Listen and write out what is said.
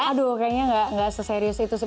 aduh kayaknya nggak seserius itu sih